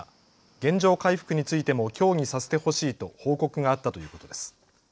原状回復についても協議させてほしいと報告があったということです。